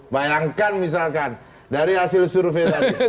bayangkan misalkan dari hasil survei tadi